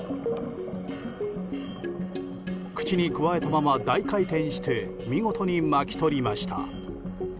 口にくわえたまま大回転して見事に巻き取りました。